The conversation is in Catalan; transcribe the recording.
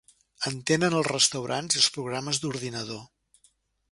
En tenen els restaurants i els programes d'ordinador.